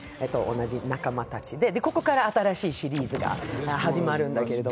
同じ仲間たちで、ここから新しいシリーズが始まるんだけど